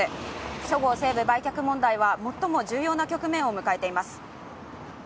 そごう・西武売却問題は最も重要な局面を迎えています